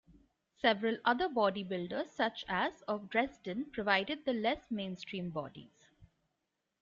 Several other body builders such as of Dresden provided the less mainstream bodies.